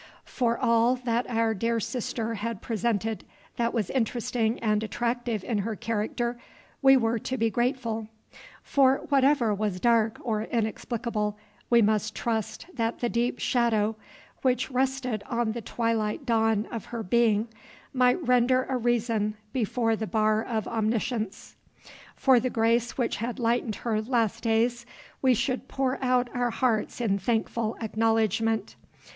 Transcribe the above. For all that our dear sister had presented that was interesting and attractive in her character we were to be grateful; for whatever was dark or inexplicable we must trust that the deep shadow which rested on the twilight dawn of her being might render a reason before the bar of Omniscience; for the grace which had lightened her last days we should pour out our hearts in thankful acknowledgment.